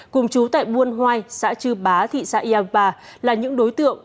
cùng chú tại buôn hoai xã chư bá thị xã yang ba là những đối tượng